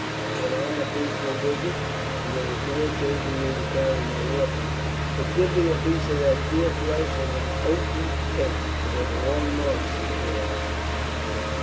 I went on a peaceful visit, and there was no occasion for me to carry my weapons. But give me a piece of that deer flesh and an oaten cake; we have a long march before us."